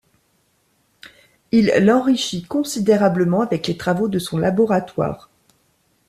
Il l'enrichit considérablement avec les travaux de son laboratoire.